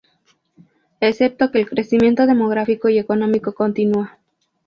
Excepto que el crecimiento demográfico y económico continúa.